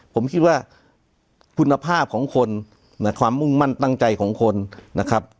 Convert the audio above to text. ผมคิดว่าคุณภาพของคนความมุ่งมั่นตั้งใจของคนนะครับ